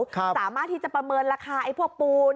สามารถที่จะประเมินราคาไอ้พวกปูน